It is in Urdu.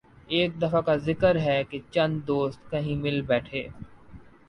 ایک دفعہ کا ذکر ہے کہ چند دوست کہیں مل بیٹھے